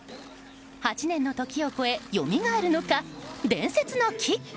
８年の時を越え、よみがえるのか伝説のキック。